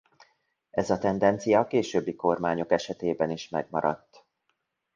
Ez a tendencia a későbbi kormányok esetében is megmaradt.